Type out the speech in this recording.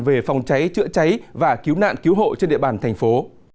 về phòng cháy chữa cháy và cứu nạn cứu hộ trên địa bàn thành phố